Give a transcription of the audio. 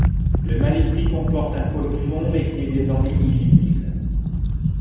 Le manuscrit comporte un colophon mais qui est désormais illisible.